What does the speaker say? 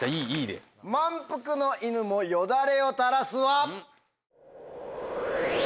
「満腹の犬もよだれをたらす」は？